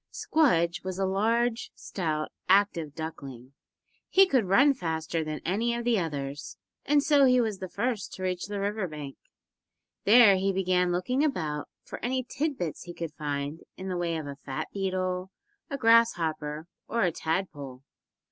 Squdge was a large, stout, active duckling. He could run faster than any of the others, and so he was the first to reach the river bank. There he began looking about for any tid bits he could find in the way of a fat beetle, a grass hopper or a tadpole.